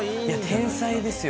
天才ですよ。